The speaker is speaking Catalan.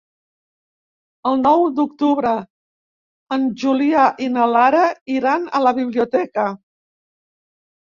El nou d'octubre en Julià i na Lara iran a la biblioteca.